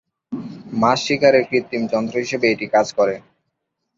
মাছ শিকারের কৃত্রিম যন্ত্র হিসেবে এটি কাজ করে।